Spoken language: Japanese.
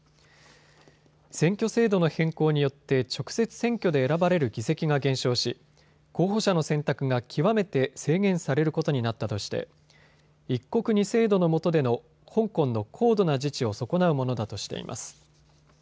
選挙制度の変更によって直接、選挙で選ばれる議席が減少し候補者の選択が極めて制限されることになったとして一国二制度のもとでの香港の高度な自治を損なうものだとしています。